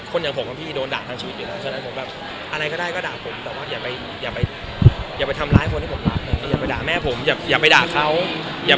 คนอย่างผมกับพี่โดนด่าทั้งชีวิตอยู่แล้วฉะนั้นผมแบบ